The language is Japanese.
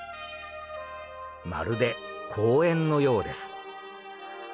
まるで公園のようです。